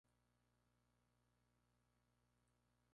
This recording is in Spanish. Estas son las posiciones del cuadrangular disputado en Bogotá.